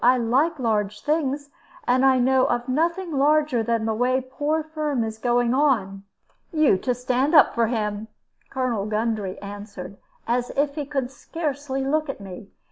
I like large things; and I know of nothing larger than the way poor Firm is going on." "You to stand up for him!" Colonel Gundry answered, as if he could scarcely look at me.